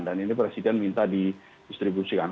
dan ini presiden minta didistribusikan